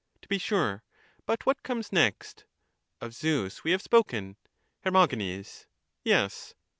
To be sure. But what comes next? — of Zeus we have spoken. Her. Yes.